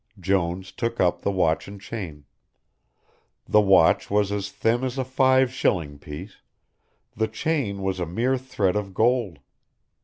Jones took up the watch and chain. The watch was as thin as a five shilling piece, the chain was a mere thread of gold.